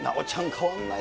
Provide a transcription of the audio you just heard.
変わらない。